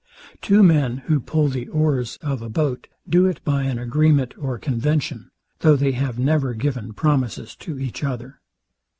Two men, who pull the oars of a boat, do it by an agreement or convention, though they have never given promises to each other.